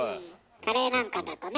カレーなんかだとね